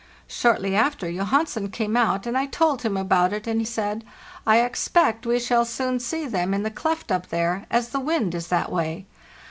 Shortly after Johansen came out, and I told him about it, and said: "I expect we shall soon see them in the cleft up there, as the wind is that way."